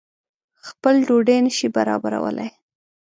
خپل ډوډۍ نه شي برابرولای.